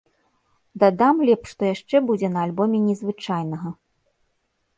Дадам лепш, што яшчэ будзе на альбоме незвычайнага.